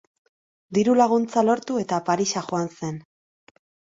Diru-laguntza lortu eta Parisa joan zen.